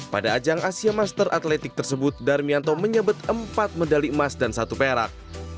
pada ajang asia master atletik tersebut darmianto menyebut empat medali emas dan satu perak